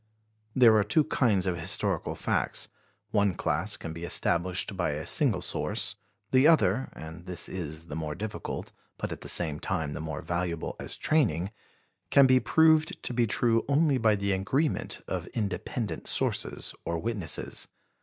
There are two kinds of historical facts: one class can be established by a single source, the other and this is the more difficult, but at the same time the more valuable as training can be proved to be true only by the agreement of independent sources or witnesses.